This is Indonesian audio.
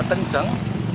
iya ya kencang